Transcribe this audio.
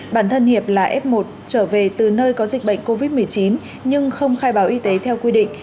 bản thân hiệp là f một trở về từ nơi có dịch bệnh covid một mươi chín nhưng không khai báo y tế theo quy định